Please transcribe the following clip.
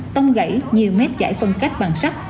tông gãy nhiều mét giải phân cách bằng sắt